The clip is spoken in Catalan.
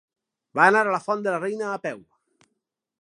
Va anar a la Font de la Reina a peu.